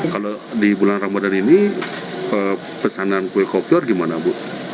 kalau di bulan ramadhan ini pesanan kue kopior gimana bu